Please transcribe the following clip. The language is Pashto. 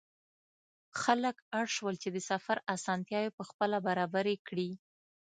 خلک اړ شول چې د سفر اسانتیاوې پخپله برابرې کړي.